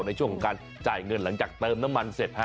ในช่วงของการจ่ายเงินหลังจากเติมน้ำมันเสร็จฮะ